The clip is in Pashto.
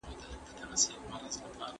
هغه باید د خپلې کورنۍ لپاره هر ډول کار وکړي.